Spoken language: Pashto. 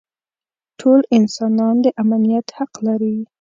ټول انسانان د امنیت حق لري.